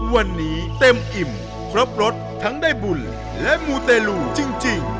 วันนี้เต็มอิ่มครบรสทั้งได้บุญและมูเตลูจริง